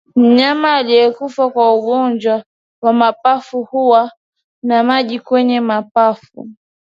Mnyama aliyekufa kwa ugonjwa wa mapafu huwa na maji kwenye mapafu